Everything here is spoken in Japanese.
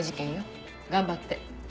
頑張って。